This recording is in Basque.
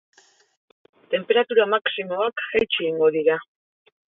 Tenperatura maximoak jaitsi egingo dira.